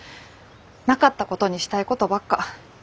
なかったことにしたいことばっか。